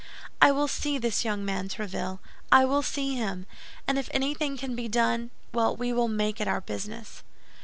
"I will see this young man, Tréville—I will see him; and if anything can be done—well, we will make it our business."